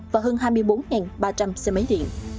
và hơn hai mươi bốn ba trăm linh xe máy điện